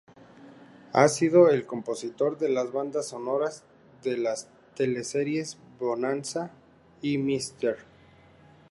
Ha sido el compositor de las bandas sonoras de las teleseries "Bonanza" y "Mr.